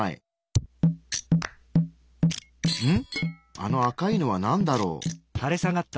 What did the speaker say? あの赤いのはなんだろう？